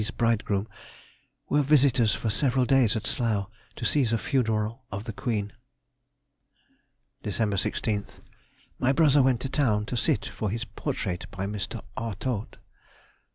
's bridegroom) were visitors for several days at Slough, to see the funeral of the Queen. Dec. 16th.—My brother went to town, to sit for his portrait by Mr. Artaud.